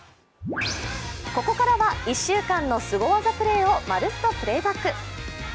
ここからは１週間のすご技プレーをまるっとプレイバック。